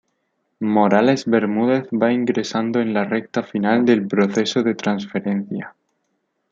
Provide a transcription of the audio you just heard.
Morales Bermúdez, va ingresando en la recta final del proceso de transferencia.